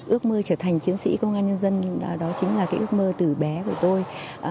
ước mơ trở thành chiến sĩ công an nhân dân đó chính là cái ước mơ từ bé của tôi